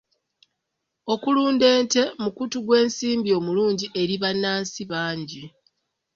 Okulunda ente mukutu gw'ensimbi omulungi eri bannansi bangi.